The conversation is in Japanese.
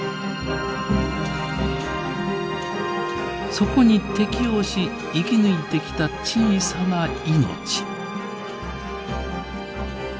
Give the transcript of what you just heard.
そこに適応し生き抜いてきた小さな命。